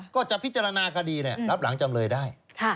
ก็จะพิจารณาคดีรับหลังจำเลยได้